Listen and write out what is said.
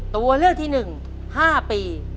ตัวเลือกที่หนึ่ง๕ปี